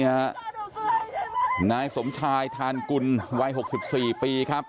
นายสมชายทานกุลวัย๖๔ปีครับ